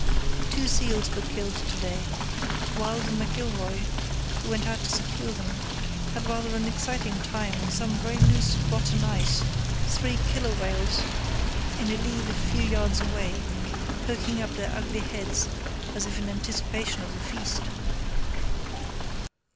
Two seals were killed to day. Wild and McIlroy, who went out to secure them, had rather an exciting time on some very loose, rotten ice, three killer whales in a lead a few yards away poking up their ugly heads as if in anticipation of a feast.